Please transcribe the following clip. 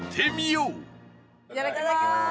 いただきます。